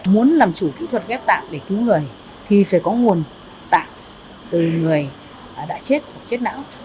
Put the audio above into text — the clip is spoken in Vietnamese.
muốn làm chủ kỹ thuật ghép tạng để cứu người thì phải có nguồn tạng từ người đã chết hoặc chết não